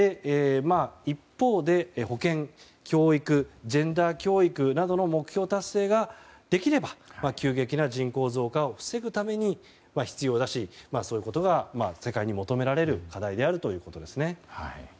一方で、保健・教育ジェンダー平等などの目標達成ができれば急激な人口増加を防ぐために必要だしそういうことが世界に求められる課題だということです。